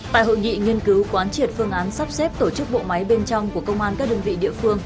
tại hội nghị nghiên cứu quán triệt phương án sắp xếp tổ chức bộ máy bên trong của công an các đơn vị địa phương